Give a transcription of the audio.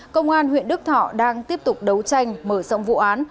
công an huyện đức thọ đang tiếp tục đấu tranh mở rộng vụ án